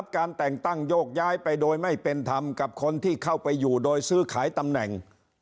การแต่งตั้งโยกย้ายไปโดยไม่เป็นธรรมกับคนที่เข้าไปอยู่โดยซื้อขายตำแหน่ง